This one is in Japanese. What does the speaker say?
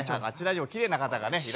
あちらにもきれいな方がね。